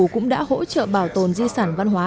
cũng đã hỗ trợ bảo tồn di sản văn hóa